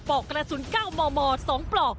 ปลอกกระสุน๙มม๒ปลอก